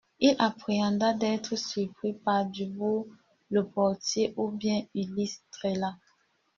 Il appréhenda d'être surpris par Dubourg, le portier ou bien Ulysse Trélat.